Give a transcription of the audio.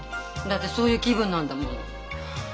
だってそういう気分なんだもの。